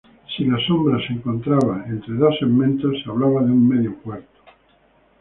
Si la sombra se encontraba entre dos segmentos, se hablaba de un medio cuarto.